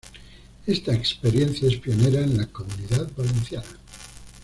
Esta experiencia es pionera en la Comunidad Valenciana.